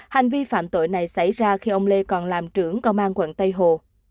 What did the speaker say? hành vi phạm tội này xảy ra khi ông lê còn làm trưởng công an quận tây hồ